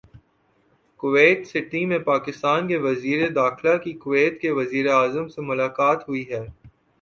Kuwait City میں پاکستان کے وزیر داخلہ کی کویت کے وزیراعظم سے ملاقات ہوئی ہے